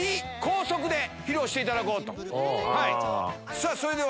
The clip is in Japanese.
さぁそれでは。